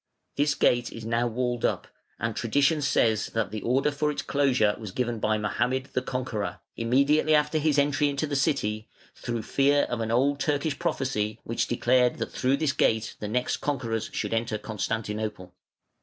This gate is now walled up, and tradition says that the order for its closure was given by Mohammed, the Conqueror, immediately after his entry into the city, through fear of an old Turkish prophecy, which declared that through this gate the next conquerors should enter Constantinople. [Footnote 24: By Dr. Dethier. "Bosphore et Constantinople", p. 51.